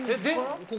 で。